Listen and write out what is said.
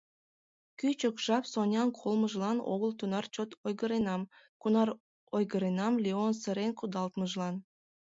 Кӱчык жап Сонян колымыжлан огыл тунар чот ойгыренам, кунар ойгыренам Леон сырен кудалтымыжлан.